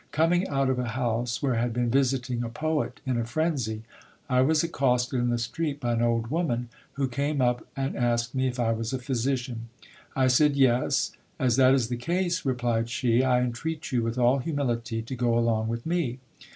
Coming out of a house where I had been visiting a poet in a phrenzy, I was accosted in the street by an old woman who came up and asked me if I was a physician. I said yes. As that is the case, replied she, I entreat you with all humility to go along with me.